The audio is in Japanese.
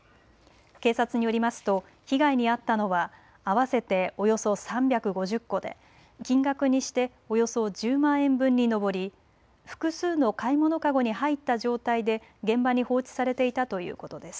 警察によりますと被害に遭ったのは合わせておよそ３５０個で金額にしておよそ１０万円分に上り、複数の買い物かごに入った状態で現場に放置されていたということです。